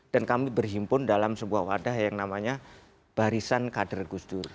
dan kami berhimpun dalam sebuah wadah yang namanya barisan kader gusdur